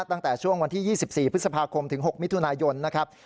ตั้งแต่ช่วงวันที่๒๔พฤษภาคมถึง๖มิถุนายนนะครับ